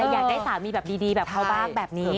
อยากได้สามีแบบดีแบบเขาบ้างแบบนี้